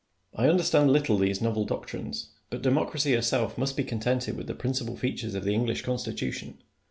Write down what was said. I understand little these novel doctrines ; but Democracy herself must be contented with the principal features of the English Constitution.